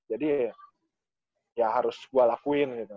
jadi ya harus gue lakuin gitu